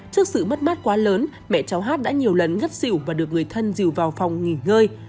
trước sự mất mát quá lớn mẹ cháu hát đã nhiều lần ngất xỉu và được người thân dìu vào phòng nghỉ ngơi